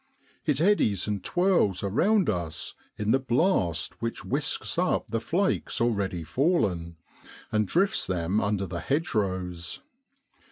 It eddies and twirls around us in the blast which whisks up the flakes already fallen, and drifts them under the hedgerows.